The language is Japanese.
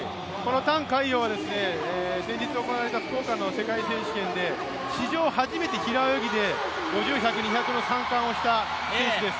覃海洋は先日行われた福岡の世界選手権で史上初めて平泳ぎで、５０、１００、２００の３冠をした選手です。